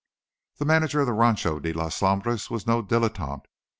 The manager of the Rancho de las Sombras was no dilettante.